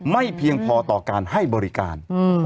ไม่เพียงพอต่อการให้บริการ